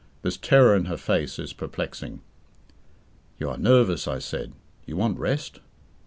This terror in her face is perplexing. "You are nervous," I said. "You want rest."